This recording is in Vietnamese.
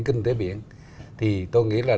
kinh tế biển thì tôi nghĩ là